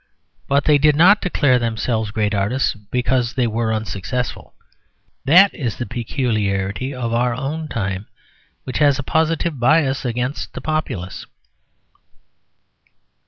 But they did not declare themselves great artists because they were unsuccessful: that is the peculiarity of our own time, which has a positive bias against the populace.